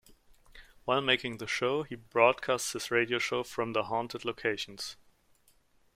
While making the show, he broadcasts his radio show from the haunted locations.